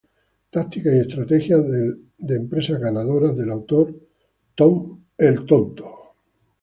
Tácticas y estrategias de empresas ganadoras"", del autor Tom Wise.